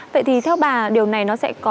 vậy thì theo bà điều này nó sẽ có